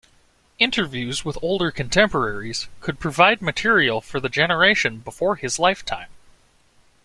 Interviews with older contemporaries could provide material for the generation before his lifetime.